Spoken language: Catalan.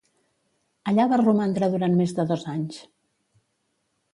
Allà va romandre durant més de dos anys.